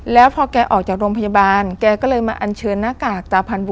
แล้วพอแกออกจากโรงพยาบาลแกก็เลยมาอันเชิญหน้ากากตาพันธุ